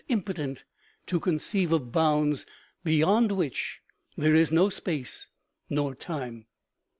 281 impotent to conceive of bounds beyond which there is no space nor time.